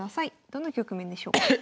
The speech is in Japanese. どの局面でしょう？